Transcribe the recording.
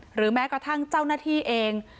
หรือแม้กระทั่งเจ้าหน้าที่เอง